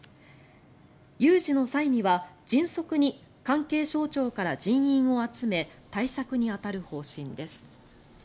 有事の際には迅速に関係省庁から人員を集め対策に当たる方針です。